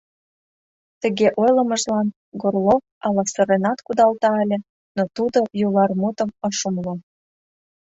Тыге ойлымыжлан Горлов ала сыренат кудалта ыле, но тудо «юлар» мутым ыш умыло.